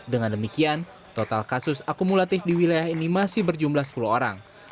dengan demikian total kasus akumulatif di wilayah ini masih berjumlah sepuluh orang